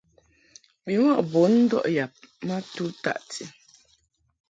Bimɔʼ bun ndɔʼ yab ma tu taʼti.